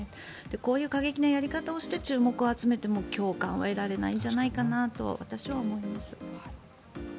こういう過激なやり方をして注目を集めても、共感は得られないんじゃないかなと私は思います。